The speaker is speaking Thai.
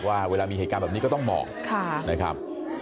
ว่าเวลามีเหตุการณ์แบบนี้ก็ต้องบอกนะครับ